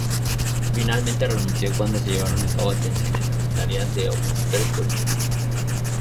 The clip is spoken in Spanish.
Finalmente renunció cuando se llevaron a cabo detenciones arbitrarias de opositores políticos.